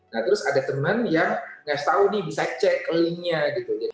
nah terus ada teman yang ngasih tau nih bisa cek linknya gitu